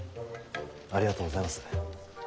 ありがとうございます。